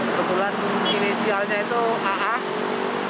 kebetulan inisialnya itu aa